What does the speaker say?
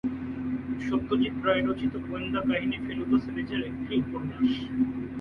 সত্যজিৎ রায় রচিত গোয়েন্দা কাহিনী ফেলুদা সিরিজের একটি উপন্যাস।